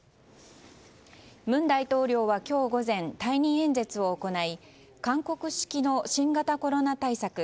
文大統領は今日午前退任演説を行い韓国式の新型コロナ対策